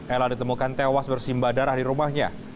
ella ditemukan tewas bersimba darah di rumahnya